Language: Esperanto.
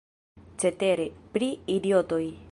Cetere, pri idiotoj.